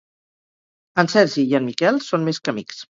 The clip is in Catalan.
En Sergi i en Miquel són més que amics.